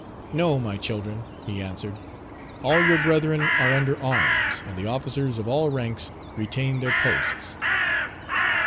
"No, my children," he answered; "all your brethren are under arms, and the officers of all ranks retain their posts."